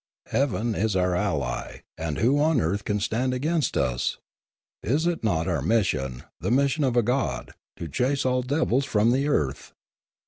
" Heaven is our ally, and who on earth can stand against us? Is it not our mission, the mission of a god, to chase all devils from the earth